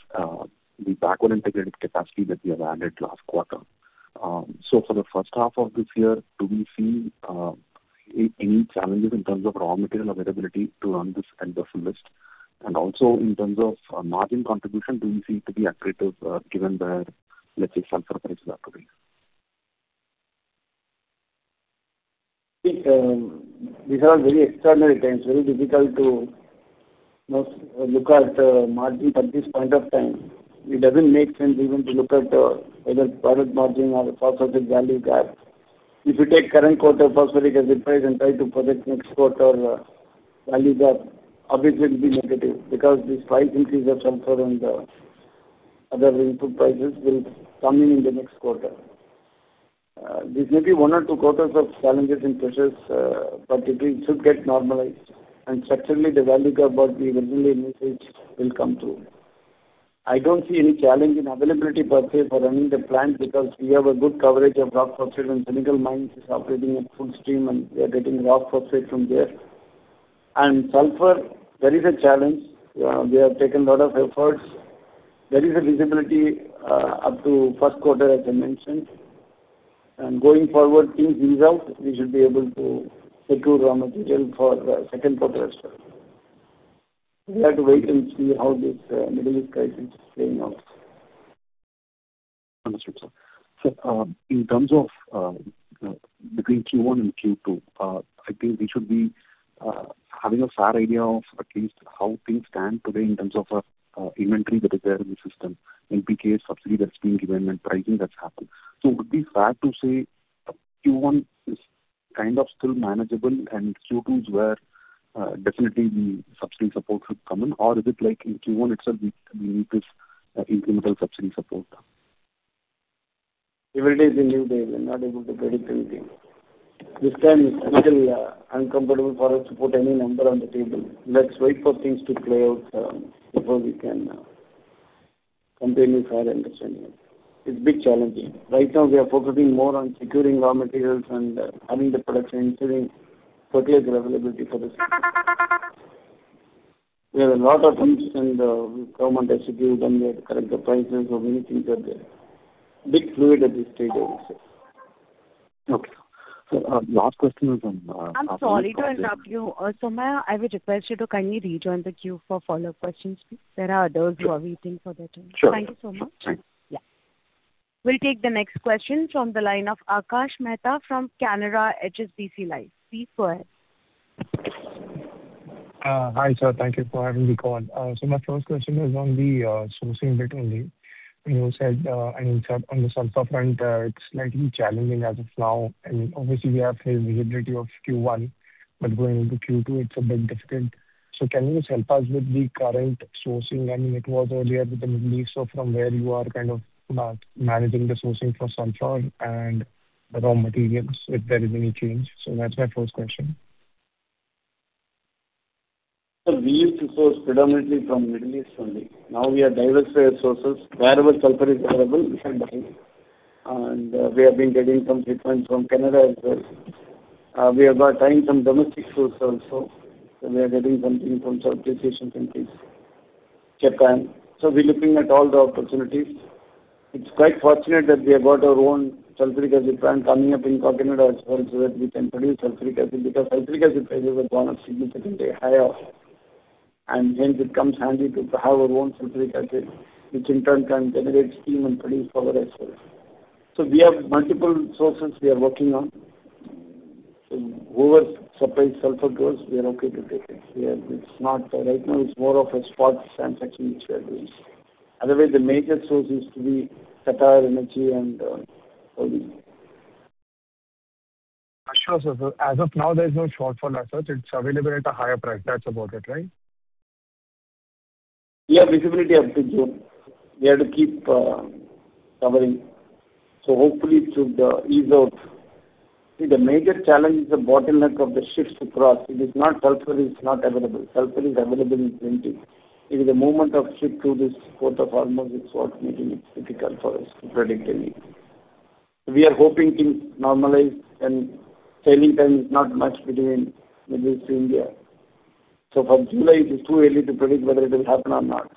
the backward integrated capacity that you have added last quarter, for the first half of this year, do we see any challenges in terms of raw material availability to run this at the fullest? Also in terms of margin contribution, do you see it to be accretive, given the, let's say, sulfur price volatility? These, these are very extraordinary times, very difficult to, you know, look at margin at this point of time. It doesn't make sense even to look at whether product margin or the phosphate value gap. If you take current quarter phosphoric acid price and try to project next quarter, values are obviously to be negative because this price increase of sulfur and other input prices will come in in the next quarter. This may be one or two quarters of challenges and pressures, but it should get normalized. Structurally, the value gap what we regularly message will come through. I don't see any challenge in availability per se for running the plant because we have a good coverage of rock phosphate, and Senegal mines is operating at full stream, and we are getting rock phosphate from there. Sulfur, there is a challenge. We have taken lot of efforts. There is a visibility up to first quarter as I mentioned. Going forward, things ease out, we should be able to secure raw material for the second quarter as well. We have to wait and see how this Middle East crisis is playing out. Understood, sir. In terms of between Q1 and Q2, I think we should be having a fair idea of at least how things stand today in terms of inventory that is there in the system, NPK subsidy that's being given and pricing that's happened. Would be fair to say Q1 is kind of still manageable and Q2 is where definitely the subsidy support should come in? Or is it like in Q1 itself we need this incremental subsidy support? Every day is a new day. We're not able to predict anything. This time it's a little uncomfortable for us to put any number on the table. Let's wait for things to play out before we can completely have understanding. It's bit challenging. Right now, we are focusing more on securing raw materials and having the production, ensuring fertilizers availability for this. We have a lot of things, and government has to do, then we have to correct the prices. So many things are there. Bit fluid at this stage, I would say. Okay. last question is on. I'm sorry to interrupt you. Somaiya, I would request you to kindly rejoin the queue for follow-up questions, please. There are others who are waiting for their turn. Sure. Thank you so much. Thanks. Yeah. We'll take the next question from the line of Akash Mehta from Canara HSBC Life. Please go ahead. Hi, sir. Thank you for having me call. My first question is on the sourcing bit only. You said, I mean, sir, on the sulfur front, it's slightly challenging as of now. Obviously we have a visibility of Q1, but going into Q2 it's a bit difficult. Can you just help us with the current sourcing? I mean, it was earlier with the Middle East, from where you are kind of managing the sourcing for sulfur and the raw materials, if there is any change. That's my first question. Sir, we used to source predominantly from Middle East only. Now we have diversified sources. Wherever sulfur is available, we shall buy. We have been getting some shipments from Canada as well. We have got tying some domestic source also, we are getting something from South Asian countries, Japan. We're looking at all the opportunities. It's quite fortunate that we have got our own sulfuric acid plant coming up in Kakinada as well, so that we can produce sulfuric acid because sulfuric acid prices have gone up significantly higher. Hence it comes handy to have our own sulfuric acid, which in turn can generate steam and produce power as well. We have multiple sources we are working on. Whoever supplies sulfur to us, we are okay to take it. Yeah, right now it's more of a spot transaction which we are doing. Otherwise, the major source used to be QatarEnergy and Saudi. Sure, sir. As of now, there is no shortfall as such. It's available at a higher price. That's about it, right? Yeah, visibility up to June. We have to keep covering. Hopefully it should ease out. See, the major challenge is the bottleneck of the ships to cross. It is not sulfur is not available. Sulfur is available in plenty. It is the movement of ship through this Strait of Hormuz is what's making it difficult for us to predict anything. We are hoping things normalize and sailing time is not much between Middle East to India. For July it is too early to predict whether it will happen or not.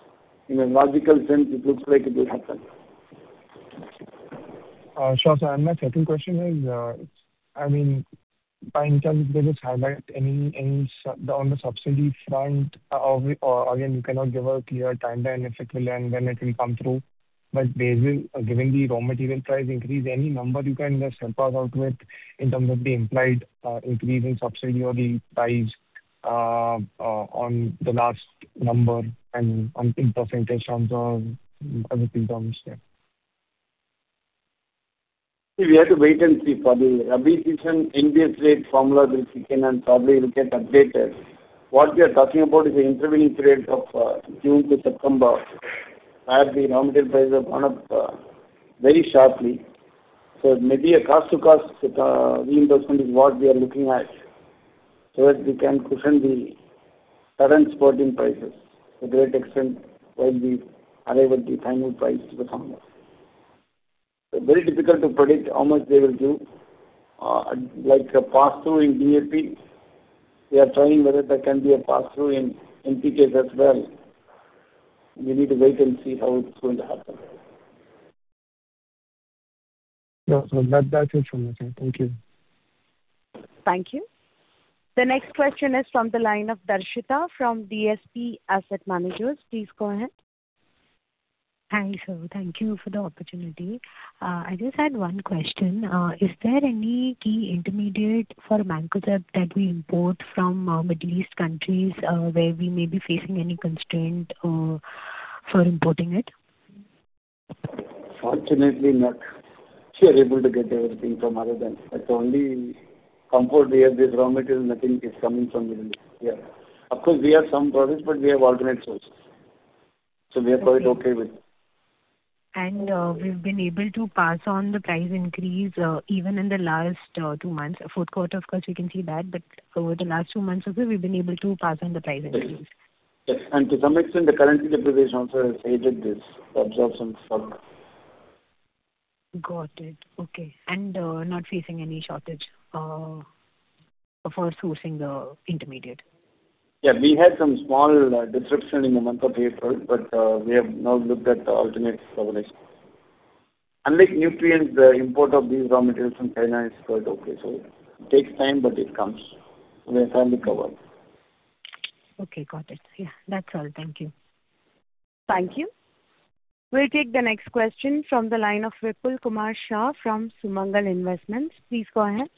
In a logical sense, it looks like it will happen. Sure. My second question is in terms of business highlight, on the subsidy front, or again, you cannot give a clear timeline if it will and when it will come through. Based on, given the raw material price increase, any number you can just help us out with in terms of the implied increase in subsidy or the price on the last number and on percentage terms or other terms there. We have to wait and see. For the Rabi season, NBS rate formula will kick in. Probably will get updated. What we are talking about is the intervening period of June to September, where the raw material prices have gone up very sharply. It may be a cost to cost reimbursement is what we are looking at, so that we can cushion the current spotting prices to a great extent, while we arrive at the final price to the farmers. Very difficult to predict how much they will give. Like a pass-through in DAP, we are trying whether there can be a pass-through in NPK as well. We need to wait and see how it's going to happen. No, sir. That's it from my side. Thank you. Thank you. The next question is from the line of Darshita from DSP Asset Managers. Please go ahead. Hi, sir. Thank you for the opportunity. I just had one question. Is there any key intermediate for Mancozeb that we import from Middle East countries, where we may be facing any constraint for importing it? Fortunately not. We are able to get everything from other than. It's only import we have this raw material, nothing is coming from Middle East. Yeah. Of course, we have some products, but we have alternate sources, so we are quite okay with it. We've been able to pass on the price increase even in the last two months. Fourth quarter, of course, we can see that. Over the last two months also, we've been able to pass on the price increase. Yes. Yes. To some extent, the currency depreciation also has aided this absorption some. Got it. Okay. Not facing any shortage for sourcing the intermediate? Yeah. We had some small disruption in the month of April. We have now looked at alternate suppliers. Unlike nutrients, the import of these raw materials from China is quite okay. It takes time, but it comes, and we are fairly covered. Okay, got it. Yeah. That's all. Thank you. Thank you. We will take the next question from the line of Vipul Kumar Shah from Sumangal Investments. Please go ahead.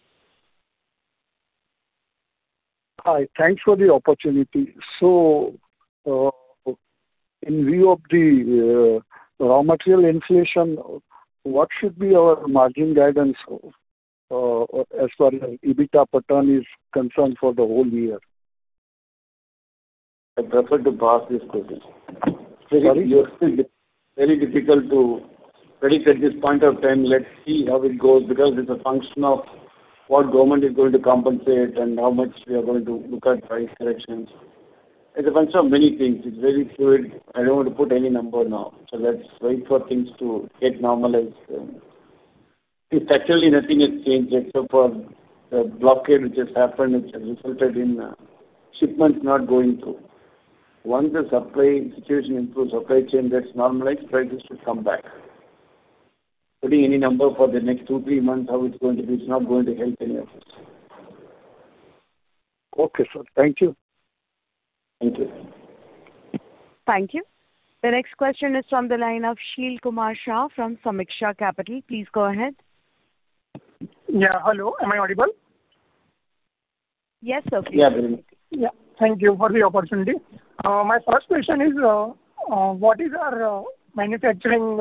Hi. Thanks for the opportunity. In view of the raw material inflation, what should be our margin guidance as far as EBITDA pattern is concerned for the whole year? I'd prefer to pass this question. Sorry? Very difficult to predict at this point of time. Let's see how it goes, because it's a function of what government is going to compensate and how much we are going to look at price corrections. It's a function of many things. It's very fluid. I don't want to put any number now. Let's wait for things to get normalized. See, factually nothing has changed except for the blockade which has happened, which has resulted in shipments not going through. Once the supply situation improves, supply chain gets normalized, prices should come back. Putting any number for the next two, three months, how it's going to be, it's not going to help any of us. Okay, sir. Thank you. Thank you. Thank you. The next question is from the line of Sheel Kumar Shah from Sameeksha Capital. Please go ahead. Yeah. Hello, am I audible? Yes, sir. Yeah, very much. Yeah. Thank you for the opportunity. My first question is, what is our manufacturing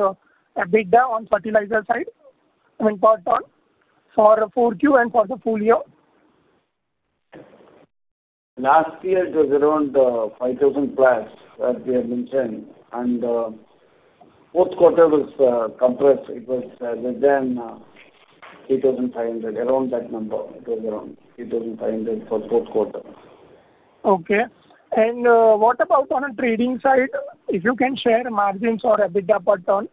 EBITDA on fertilizer side, I mean, pattern for the 4Q and for the full year? Last year it was around 5,000+ that we had mentioned, and fourth quarter was compressed. It was less than 3,500, around that number. It was around 3,500 for fourth quarter. Okay. What about on a trading side? If you can share margins or EBITDA pattern.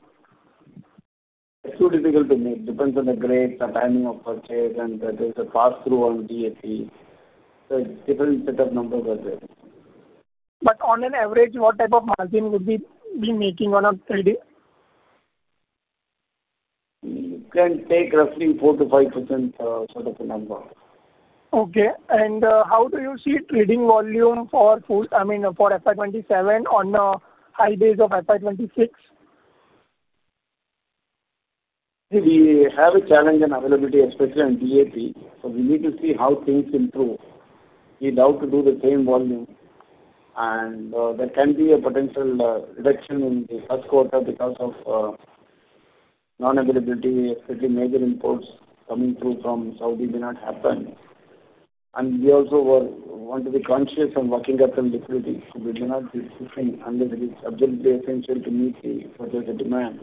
It's too difficult to make. Depends on the grade, the timing of purchase, and there is a pass-through on DAP. Different set of numbers are there. On an average, what type of margin would we be making on a trade? You can take roughly 4%-5%, sort of a number. Okay. How do you see trading volume I mean, for FY 2027 on high days of FY 2026? We have a challenge in availability, especially on DAP. We need to see how things improve. We'd love to do the same volume. There can be a potential reduction in the first quarter because of non-availability, especially major imports coming through from Saudi may not happen. We also want to be conscious on working capital liquidity. We do not be shipping unless it is absolutely essential to meet whatever the demand.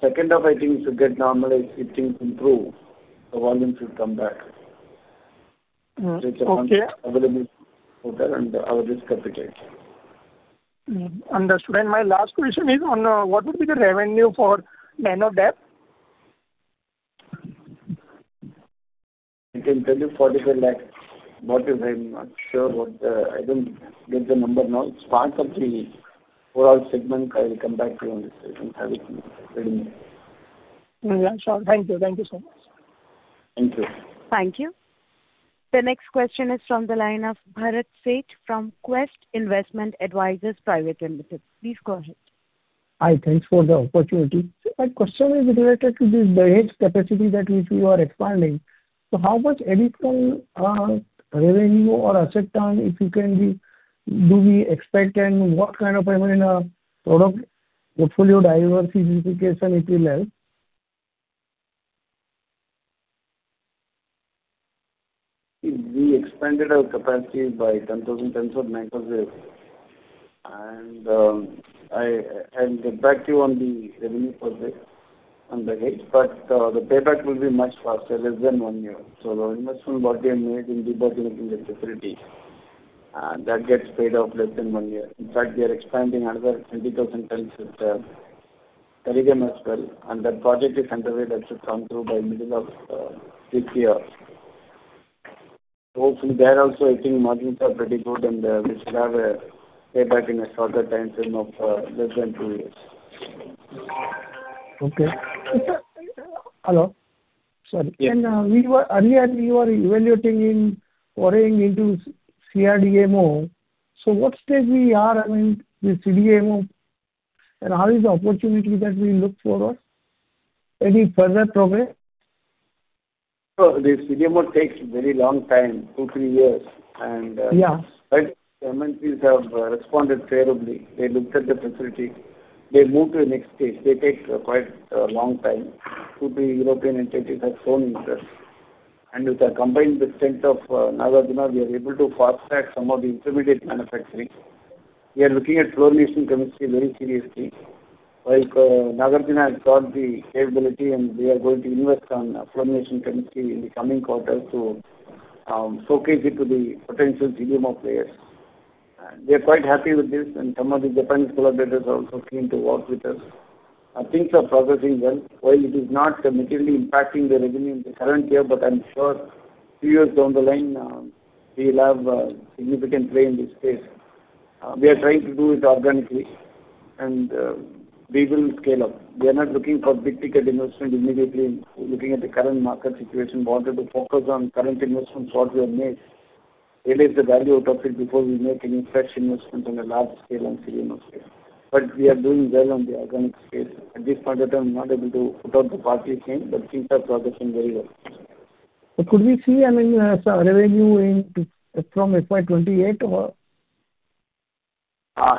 Second half, I think it should get normalized if things improve, the volumes should come back. Mm. Okay. Based on availability of that and our risk appetite. Understood. My last question is on, what would be the revenue for Nano DAP? I can tell you 45 lakh. I didn't get the number now. It's part of the overall segment. I will come back to you on this. I think I have it written. Yeah, sure. Thank you. Thank you so much. Thank you. Thank you. The next question is from the line of Bharat Sheth from Quest Investment Advisors Private Limited. Please go ahead. Hi. Thanks for the opportunity. My question is related to this Dahej capacity that which you are expanding. How much additional revenue or asset turn, if you can give, do we expect, and what kind of, I mean, product portfolio diversity specification it will have? We expanded our capacity by 10,000 tons of micro DAP. I'll get back to you on the revenue for this, on Dahej. The payback will be much faster, less than one year. The investment what we have made in debottlenecking the facility that gets paid off less than 1 year. In fact, we are expanding another 20,000 tons with Sarigam as well. That project is underway. That should come through by middle of this year. Hopefully, there also, I think margins are pretty good, and we should have a payback in a shorter time frame of less than two years. Okay. Hello? Sorry. Yes. Earlier, you were evaluating in foraying into CDMO. What stage we are having the CDMO? How is the opportunity that we look forward? Any further progress? The CDMO takes very long time, two, three years. Yeah right, MNCs have responded favorably. They looked at the facility. They moved to the next stage. They take quite a long time. Two, three European entities have shown interest. With the combined strength of NACL Industries, we are able to fast-track some of the intermediate manufacturing. We are looking at fluorination chemistry very seriously. While NACL Industries has got the capability, and we are going to invest on fluorination chemistry in the coming quarter to showcase it to the potential CDMO players. They're quite happy with this, and some of the Japanese collaborators are also keen to work with us. Things are progressing well. While it is not immediately impacting the revenue in the current year, but I'm sure few years down the line, we'll have a significant play in this space. We are trying to do it organically, and we will scale up. We are not looking for big-ticket investment immediately. Looking at the current market situation, we wanted to focus on current investments, what we have made, realize the value out of it before we make any fresh investment on a large scale on CDMO space. We are doing well on the organic space. At this point of time, I'm not able to put out the partly claim, but things are progressing very well. Could we see any revenue in, from FY 2028 or?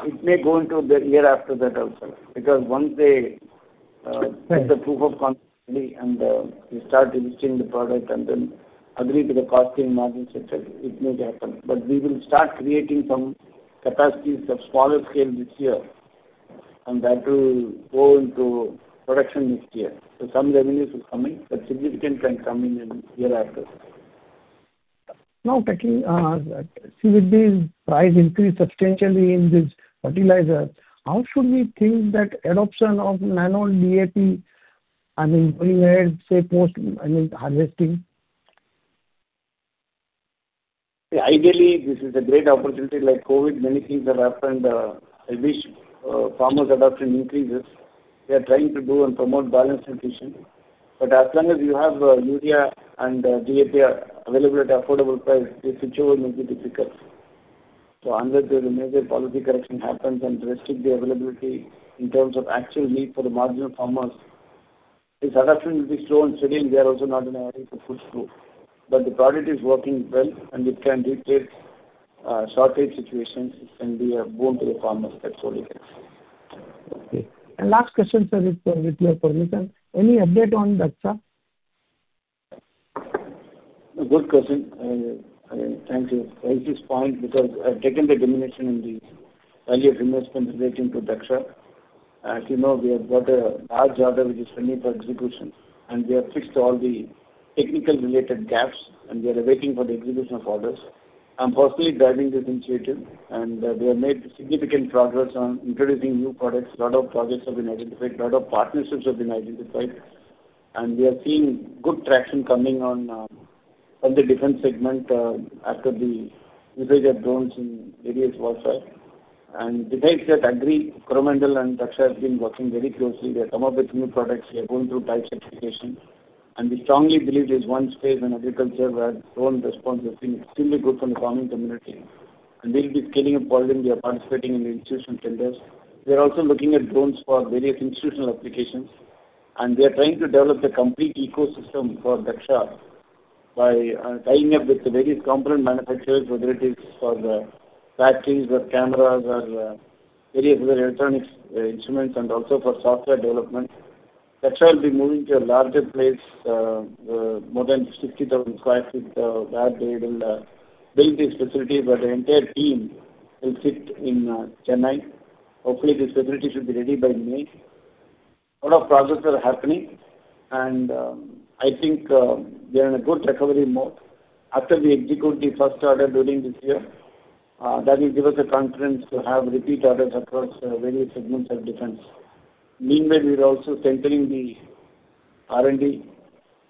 It may go into the year after that also. Because once they, Right Get the proof of concept ready and, we start releasing the product and then agree to the costing, margins, et cetera, it may happen. We will start creating some capacities of smaller scale this year, and that will go into production next year. Some revenues is coming, but significant can come in year after. Now, taking, with the price increase substantially in this fertilizer, how should we think that adoption of Nano DAP, I mean, going ahead, say post, I mean, harvesting? Ideally, this is a great opportunity. Like COVID, many things have happened. I wish farmers' adoption increases. We are trying to do and promote balanced nutrition. As long as you have urea and DAP are available at affordable price, the situation will be difficult. Unless there's a major policy correction happens and restrict the availability in terms of actual need for the marginal farmers, this adoption will be slow and steady. We are also not in a hurry to push through. The product is working well, and it can dictate shortage situations. It can be a boon to the farmers. That's all it is. Okay. Last question, sir, if with your permission. Any update on Dhaksha? A good question. I mean, thank you. A righteous point because I've taken the diminution in the earlier earnings contribution to Dhaksha. As you know, we have got a large order which is pending for execution, and we have fixed all the technical-related gaps, and we are awaiting for the execution of orders. I'm personally driving this initiative, and we have made significant progress on introducing new products. A lot of projects have been identified, a lot of partnerships have been identified, and we are seeing good traction coming on the different segment after the usage of drones in various warfare. Besides that, Agri, Coromandel and Dhaksha have been working very closely. They have come up with new products. They are going through type certification. We strongly believe there's one space in agriculture where drone response has been extremely good for the farming community. We'll be scaling up volume. We are participating in the institutional tenders. We are also looking at drones for various institutional applications, and we are trying to develop the complete ecosystem for Dhaksha by tying up with the various component manufacturers, whether it is for the batteries or cameras or various other electronics instruments, and also for software development. Dhaksha will be moving to a larger place, more than 60,000 sq ft, where they will build this facility where the entire team will sit in Chennai. Hopefully, this facility should be ready by May. A lot of progress are happening, and I think we are in a good recovery mode. After we execute the first order during this year, that will give us the confidence to have repeat orders across various segments of defense. Meanwhile, we are also centering the R&D,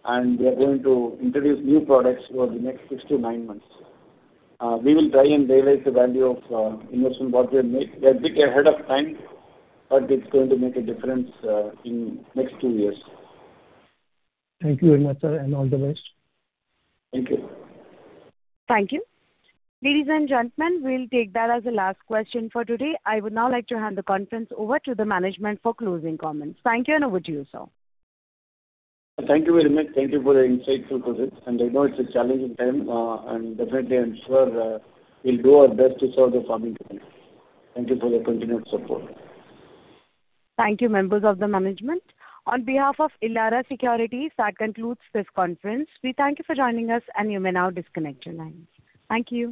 and we are going to introduce new products over the next 6 to 9 months. We will try and realize the value of investment what we have made. We are bit ahead of time, but it's going to make a difference in next two years. Thank you very much, sir, and all the best. Thank you. Thank you. Ladies and gentlemen, we'll take that as the last question for today. I would now like to hand the conference over to the management for closing comments. Thank you, and over to you, sir. Thank you very much. Thank you for the insightful questions, and I know it's a challenging time, and definitely I'm sure, we'll do our best to serve the farming community. Thank you for your continued support. Thank you, members of the management. On behalf of Elara Securities, that concludes this conference. We thank you for joining us, and you may now disconnect your lines. Thank you.